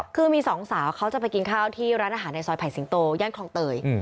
คือมีสองสาวเขาจะไปกินข้าวที่ร้านอาหารในซอยไผ่สิงโตย่านคลองเตย